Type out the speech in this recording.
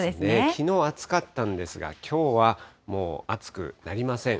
きのう暑かったんですが、きょうはもう暑くなりません。